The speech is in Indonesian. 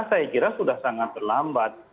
saya kira sudah sangat terlambat